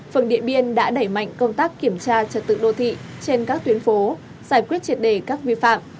phường điện biên đã đẩy mạnh công tác kiểm tra trật tự đô thị trên các tuyến phố giải quyết triệt đề các vi phạm